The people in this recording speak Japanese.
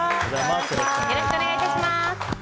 よろしくお願いします。